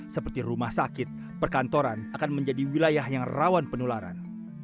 seperti rumah sakit perkantoran akan menjadi wilayah yang rawan penularan